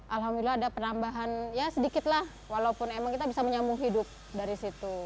alhamdulillah ada penambahan ya sedikit lah walaupun emang kita bisa menyambung hidup dari situ